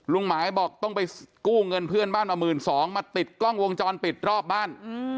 หมายบอกต้องไปกู้เงินเพื่อนบ้านมา๑๒๐๐มาติดกล้องวงจรปิดรอบบ้าน